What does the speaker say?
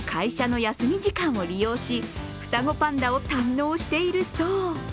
会社の休み時間を利用し、双子パンダを堪能しているそう。